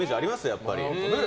やっぱり。